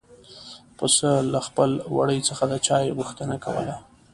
پسه له خپل وړي څخه د چای غوښتنه کوله.